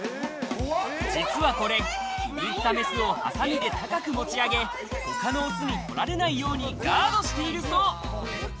実はこれ、気に入ったメスをハサミで高く持ち上げ、他のオスに取られないようにガードしているそう。